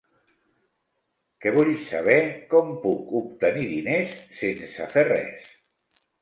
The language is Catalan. Que vull saber com puc obtenir diners sense fer res.